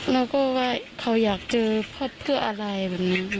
แล้วก็ว่าเขาอยากเจอพ่อเพื่ออะไรแบบนี้